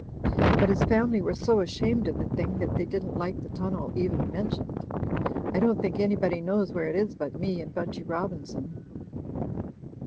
But his family were so ashamed of the thing, that they didn't like the ttmnel even mentioned. I don't think anybody knows where it is but me and Btmchy Robin son.